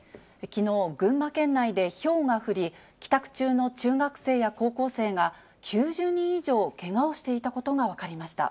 きのう、群馬県内でひょうが降り、帰宅中の中学生や高校生が、９０人以上、けがをしていたことが分かりました。